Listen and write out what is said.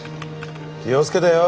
気を付けてよ。